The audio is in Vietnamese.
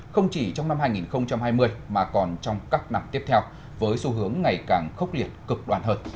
không chỉ trong năm hai nghìn hai mươi mà còn trong các năm tiếp theo với xu hướng ngày càng khốc liệt cực đoàn hơn